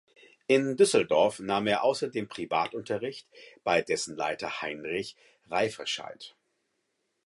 In Düsseldorf nahm er außerdem Privatunterricht bei dessen Leiter Heinrich Reifferscheid.